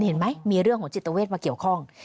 เห็นไหมมีเรื่องของจิตเวทมาเกี่ยวข้อง